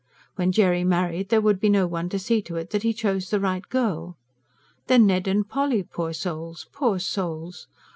When Jerry married there would be no one to see to it that he chose the right girl. Then Ned and Polly poor souls, poor souls!